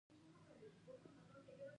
د ملامت او سلامت قاضي بیا دای په خپله دی.